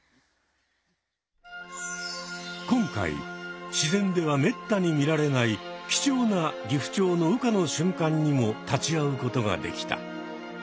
今回自然ではめったに見られない貴重なギフチョウの羽化の瞬間にも立ち会うことができた。